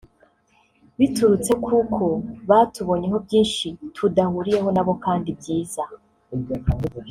biturutse kuko batubonyeho byinshi tudahuriyeho nabo kandi byiza